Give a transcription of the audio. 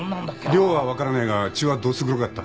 量は分からねえが血はどす黒かった。